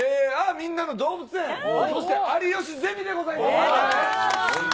みんなの動物園、そして有吉ゼミでございます。